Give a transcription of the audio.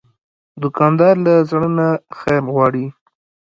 دوکاندار له زړه نه خیر غواړي.